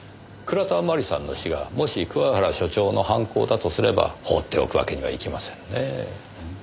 倉田真理さんの死がもし桑原所長の犯行だとすれば放っておくわけにはいきませんねえ。